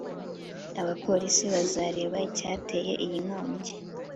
abapolisi bazareba icyateye iyi nkongi.